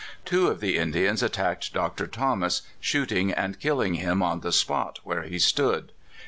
Two of the Indians attacked Dr. Thomas, shooting and killing him on the spot where he stood.